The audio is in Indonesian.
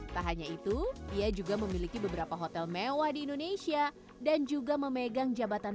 tak hanya itu ia juga memiliki beberapa hotel mewah di indonesia dan juga memegang jabatan